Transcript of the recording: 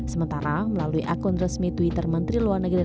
sementara melalui akun resmi twitter menteri luar negeri